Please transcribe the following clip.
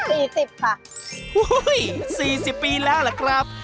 อุ้ย๔๐ปีแล้วล่ะครับ